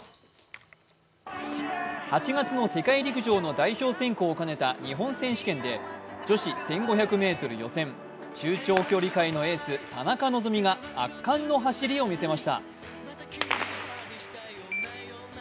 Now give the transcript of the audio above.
８月の世界陸上の代表選考を兼ねた日本選手権で女子１５００ｍ予選、中長距離界のエース田中希実が圧巻の走りを見せました。